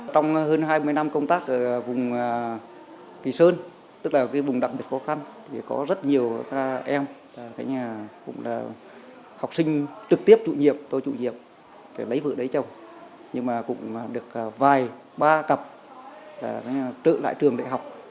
trong hơn hai mươi năm công tác ở vùng kỳ sơn tức là cái vùng đặc biệt khó khăn thì có rất nhiều các em cái nhà cũng là học sinh trực tiếp trụ nhiệm tôi trụ nhiệm để lấy vợ lấy chồng nhưng mà cũng được vài ba cặp trở lại trường đại học